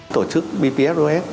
tổ chức bpsos